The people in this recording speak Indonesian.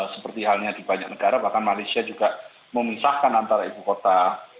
seperti halnya di banyak negara bahkan malaysia juga memisahkan antara ibu kota